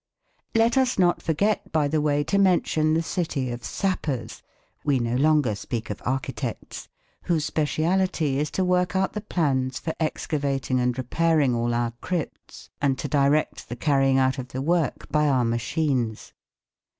Let us not forget, by the way, to mention the city of "sappers" (we no longer speak of architects), whose speciality is to work out the plans for excavating and repairing all our crypts and to direct the carrying out of the work by our machines.